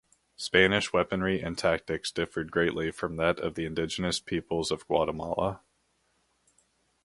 Spanish weaponry and tactics differed greatly from that of the indigenous peoples of Guatemala.